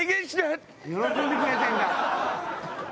喜んでくれてるんだ。